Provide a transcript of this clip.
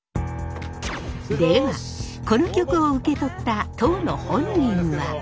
ではこの曲を受け取った当の本人は？